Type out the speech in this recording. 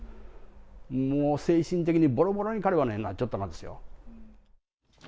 もう精神的にぼろぼろに彼はなっちょったがですよ。